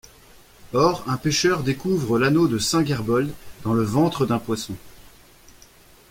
Or, un pêcheur découvre l’anneau de saint Gerbold dans le ventre d’un poisson.